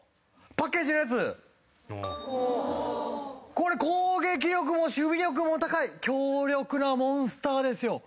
これ攻撃力も守備力も高い強力なモンスターですよ。